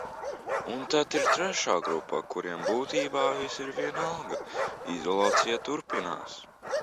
Un tad ir trešā grupa, kuriem būtībā viss ir vienalga. Izolācija turpinās.